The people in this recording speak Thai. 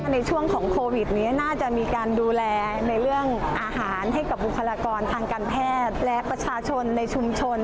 ในช่วงของโควิดนี้น่าจะมีการดูแลในเรื่องอาหารให้กับบุคลากรทางการแพทย์และประชาชนในชุมชน